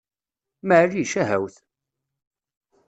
Maɛlic, ahawt!